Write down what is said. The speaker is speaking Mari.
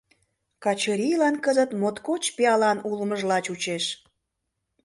Качырийлан кызыт моткоч пиалан улмыжла чучеш.